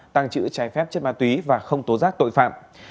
tàng trữ trái phép chất ma túy và không tố giác tội phạm